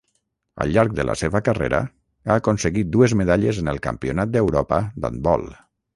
Al llarg de la seva carrera ha aconseguit dues medalles en el Campionat d'Europa d'handbol.